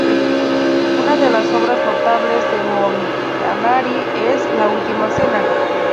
Una de las obras notables de Montanari es "La Última Cena".